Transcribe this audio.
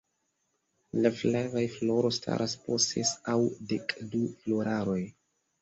La flavaj floro staras po ses aŭ dekdu floraroj.